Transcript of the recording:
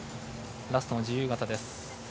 ラストの自由形です。